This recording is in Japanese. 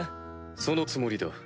そのつもりだ。